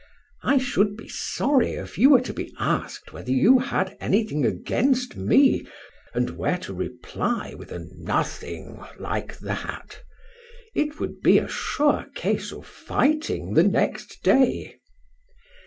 "I should be sorry, if you were to be asked whether you had anything against me and were to reply with a nothing like that! It would be a sure case of fighting the next day."